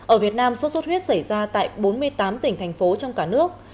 ở việt nam sốt xuất huyết xảy ra tại bốn mươi tám tỉnh thành phố trong cả nước